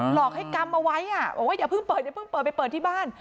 หลอกให้กรรมมาไว้ว่าเดี๋ยวเพิ่งเปิดไปเปิดที่บ้าน